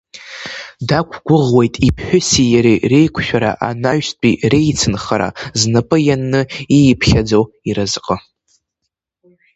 Дақәгәыӷуеит, иԥҳәыси иареи реиқәшәара, анаҩстәи реицынхара знапы ианны ииԥхьаӡо, иразҟы.